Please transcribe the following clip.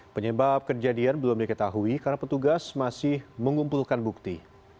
penyebab kejadian belum diketahui karena petugas masih mengumpulkan bukti